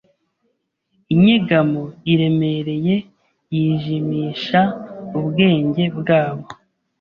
Inyegamo iremereye yijimisha ubwenge bwabo